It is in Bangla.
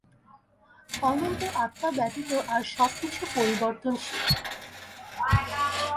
অনন্ত আত্মা ব্যতীত আর সব কিছু পরিবর্তনশীল।